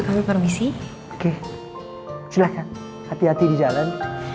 tapi permisi oke silakan hati hati di jalan